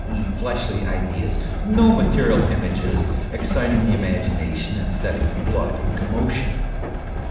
e., fleshly ideas, no material images, exciting the imagination and setting the blood in commotion.